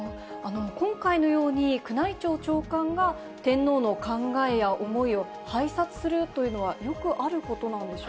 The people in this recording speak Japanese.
今回のように、宮内庁長官が、天皇の考えや思いを拝察するというのは、よくあることなんでしょ